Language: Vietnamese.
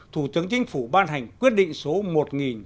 thủ tướng chính phủ ban hành quyết định số